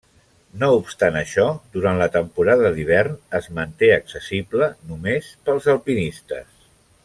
No obstant això, durant la temporada d'hivern es manté accessible només pels alpinistes.